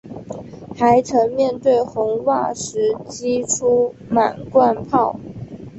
还曾面对红袜时击出满贯炮。